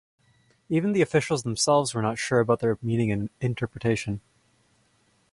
Even the officials themselves were not sure about their meaning and interpretation.